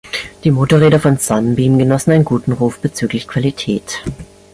Die Motorräder von Sunbeam genossen einen guten Ruf bezüglich Qualität.